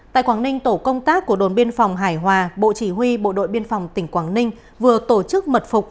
tại quảng ninh tổ công tác của đồn biên phòng hải hòa bộ chỉ huy bộ đội biên phòng tỉnh quảng ninh vừa tổ chức mật phục